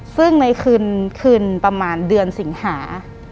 ซึ่งในคืนประมาณเดือนสิงหา